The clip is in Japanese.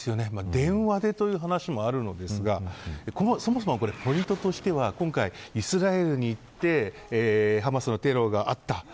電話でという話もあるのですがそもそもポイントとしては今回、イスラエルに行ってハマスのテロがあった。